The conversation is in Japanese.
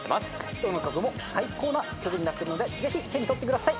どの曲も最高な曲になってるのでぜひ手に取ってください。